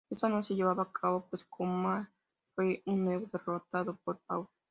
Esto no se llevaría a cabo, pues Kuma fue de nuevo derrotado por Paul.